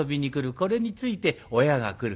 これについて親が来る。